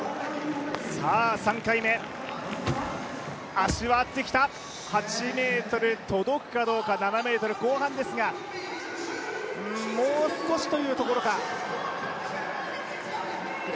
３回目、足は上がってきた８ｍ届くかどうか、７ｍ後半ですがもう少しというところか。